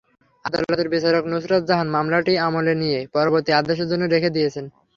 আদালতের বিচারক নুসরাত জাহান মামলাটি আমলে নিয়ে পরবর্তী আদেশের জন্য রেখে দিয়েছেন।